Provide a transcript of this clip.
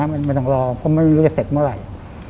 ไม่ต้องรอเพราะไม่รู้จะเสร็จเมื่อไหร่